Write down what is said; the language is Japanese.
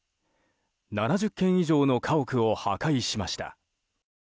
７０軒以上の家屋を破壊しました。